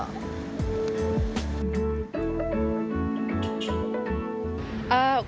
kami juga mencari tempat untuk mencari tempat yang lebih terbaik